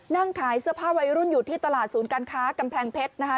นั่งขายเสื้อผ้าวัยรุ่นอยู่ที่ตลาดศูนย์การค้ากำแพงเพชรนะคะ